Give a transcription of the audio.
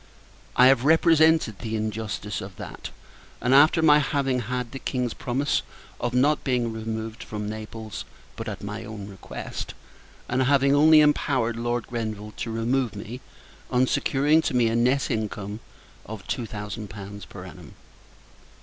I have represented the injustice of that after my having had the King's promise of not being removed from Naples, but at my own request; and having only empowered Lord Grenville to remove me, on securing to me a nett income of two thousand pounds per annum.